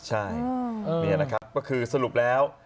ใช่นี่นะครับก็คือสรุปแล้ว